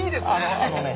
あのね。